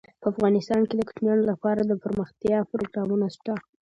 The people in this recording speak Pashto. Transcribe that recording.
افغانستان کې د کوچیانو لپاره دپرمختیا پروګرامونه شته.